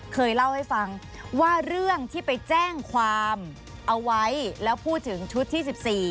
เคยเล่าให้ฟังว่าเรื่องที่ไปแจ้งความเอาไว้แล้วพูดถึงชุดที่๑๔